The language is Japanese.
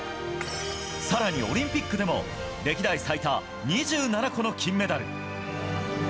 更にオリンピックでも歴代最多２７個の金メダル。